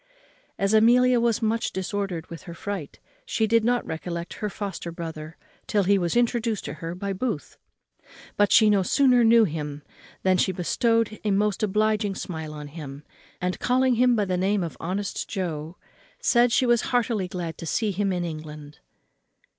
As Amelia was much disordered with her fright, she did not recollect her foster brother till he was introduced to her by Booth; but she no sooner knew him than she bestowed a most obliging smile on him; and, calling him by the name of honest Joe, said she was heartily glad to see him in England.